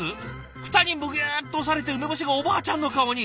フタにむぎゅっと押されて梅干しがおばあちゃんの顔に。